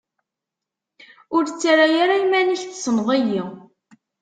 Ur ttarra ara iman-ik tessneḍ-iyi.